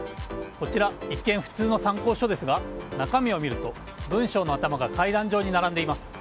こちら、一見普通の参考書ですが中身を見ると、文章の頭が階段状に並んでいます。